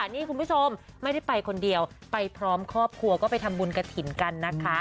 นี่คุณผู้ชมไม่ได้ไปคนเดียวไปพร้อมครอบครัวก็ไปทำบุญกระถิ่นกันนะคะ